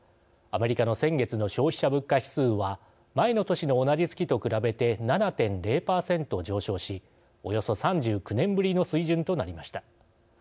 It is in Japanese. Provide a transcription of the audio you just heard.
アメリカの先月の消費者物価指数は前の年の同じ月と比べて７．０％上昇しおよそ３９年ぶりの水準となりました。